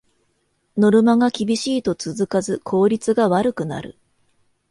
ノルマが厳しいと続かず効率が悪くなる